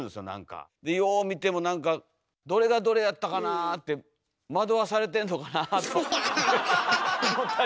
でよう見ても何か「どれがどれやったかなあ」って「惑わされてんのかな？」と思ったり。